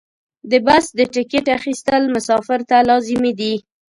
د بس د ټکټ اخیستل مسافر ته لازمي دي.